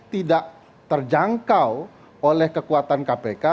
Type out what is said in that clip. tidak terjangkau oleh kekuatan kpk